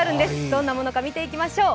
どんなものか見ていきましょう。